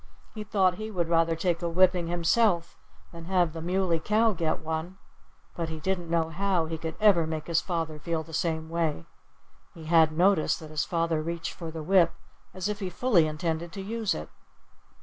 He thought he would rather take a whipping himself than have the Muley Cow get one. But he didn't know how he could ever make his father feel the same way. He had noticed that his father reached for the whip as if he fully intended to use it.